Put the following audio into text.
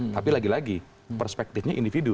tapi lagi lagi perspektifnya individu